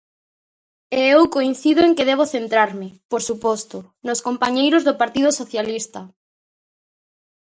E eu coincido en que debo centrarme, por suposto, nos compañeiros do Partido Socialista.